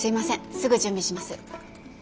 すぐ準備します。